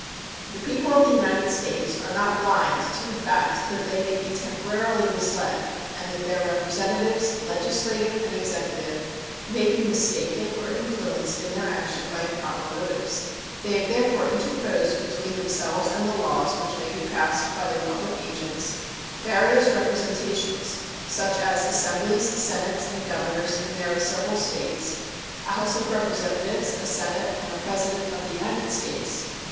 The people of the United States are not blind to the fact that they may be temporarily misled, and that their representatives, legislative and executive, may be mistaken or influenced in their action by improper motives. They have therefore interposed between themselves and the laws which may be passed by their public agents various representations, such as assemblies, senates, and governors in their several States, a House of Representatives, a Senate, and a President of the United States.